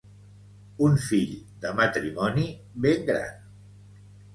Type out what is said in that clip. Un fill de matrimoni, ben gran.